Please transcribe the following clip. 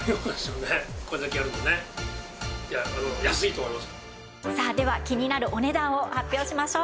ちなみにさあでは気になるお値段を発表しましょう。